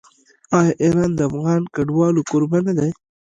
آیا ایران د افغان کډوالو کوربه نه دی؟